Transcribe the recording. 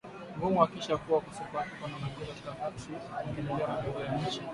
ngumu kuhakikisha kuwa ukosefu wa haki unamalizwa wakati wakiendeleza maendeleo ya nchi